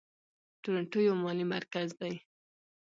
تورنټو یو مالي مرکز دی.